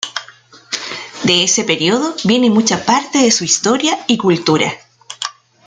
De ese periodo viene mucha parte de su historia y cultura.